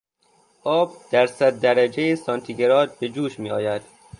آب در صد درجهی سانتیگراد به جوش میآید.